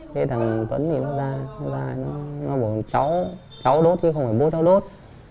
thế thằng tuấn thì nó ra nó bảo cháu đốt chứ không phải bố cháu đốt